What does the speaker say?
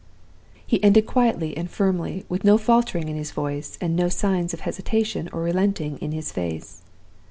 "He ended quietly and firmly, with no faltering in his voice, and no signs of hesitation or relenting in his face.